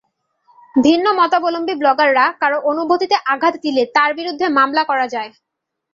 ভিন্নমতাবলম্বী ব্লগাররা কারও অনুভূতিতে আঘাত দিলে তাঁর বিরুদ্ধে মামলা করা যায়।